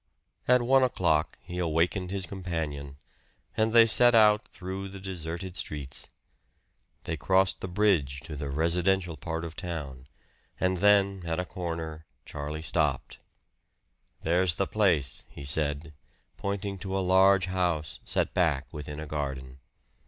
At one o'clock he awakened his companion, and they set out through the deserted streets. They crossed the bridge to the residential part of town; and then, at a corner, Charlie stopped. "There's the place," he said, pointing to a large house set back within a garden.